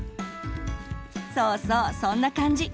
そうそうそんな感じ。